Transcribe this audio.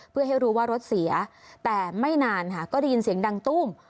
เพื่อให้รู้ว่ารถเสียแต่ไม่นานค่ะก็ได้ยินเสียงดังตุ้ม